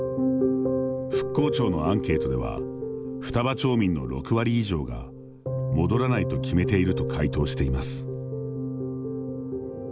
復興庁のアンケートでは双葉町民の６割以上が「戻らないと決めている」と回答しています。